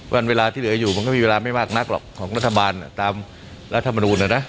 วันเวลาที่เหลืออยู่มันก็มีเวลาไม่มากนักหรอกของรัฐบาลตามรัฐมนูลนะนะ